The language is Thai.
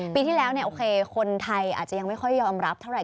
ปีที่แล้วเนี่ยโอเคคนไทยอาจจะยังไม่ค่อยยอมรับเท่าไห